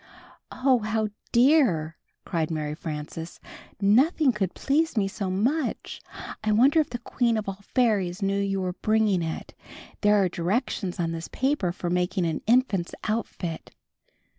''Oh, how dear!" cried Mary Frances. "Nothing could please me so much. I wonder if the Queen of All Fairies knew you were bringing it? There are directions on this paper for making an infant's outfit."